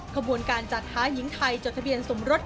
ขบวนการจัดท้ายิงไทยจดทะเบียนสมรส